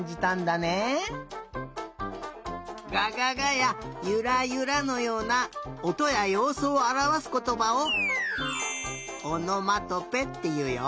「ががが」や「ゆらゆら」のようなおとやようすをあらわすことばを「おのまとぺ」っていうよ。